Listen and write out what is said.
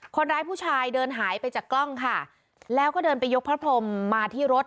คนร้ายผู้ชายเดินหายไปจากกล้องค่ะแล้วก็เดินไปยกพระพรมมาที่รถ